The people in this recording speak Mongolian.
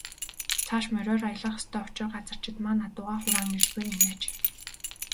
Цааш мориор аялах ёстой учир газарчид маань адуугаа хураан ирж буй нь энэ аж.